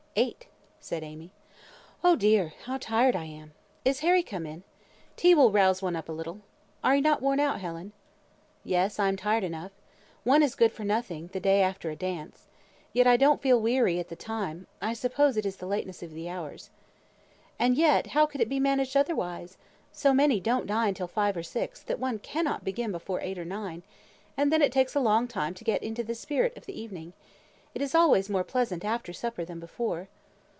"Eight," said Amy. "Oh dear! how tired I am! Is Harry come in? Tea would rouse one up a little. Are not you worn out, Helen?" "Yes; I am tired enough. One is good for nothing the day after a dance. Yet I don't feel weary at the time; I suppose it is the lateness of the hours." "And yet, how could it be managed otherwise? So many don't dine till five or six, that one cannot begin before eight or nine; and then it takes a long time to get into the spirit of the evening. It is always more pleasant after supper than before."